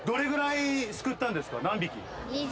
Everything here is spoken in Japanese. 何匹？